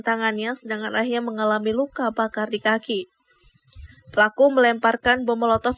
tangannya sedangkan ayah mengalami luka bakar di kaki pelaku melemparkan bom molotov